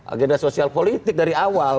agenda sosial politik dari awal